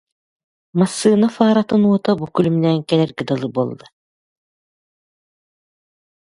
Массыына фаратын уота бу күлүмнээн кэлэргэ дылы буолла